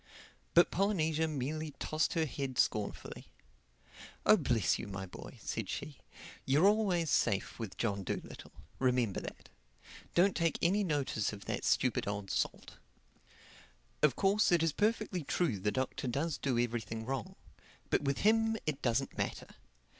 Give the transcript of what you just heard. But Polynesia merely tossed her head scornfully. "Oh, bless you, my boy," said she, "you're always safe with John Dolittle. Remember that. Don't take any notice of that stupid old salt. Of course it is perfectly true the Doctor does do everything wrong. But with him it doesn't matter.